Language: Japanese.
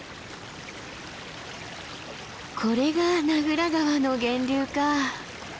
これが名蔵川の源流か。